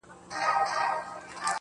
اچيل یې ژاړي، مړ یې پېزوان دی.